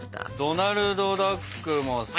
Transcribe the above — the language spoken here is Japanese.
ドナルドダックも好き。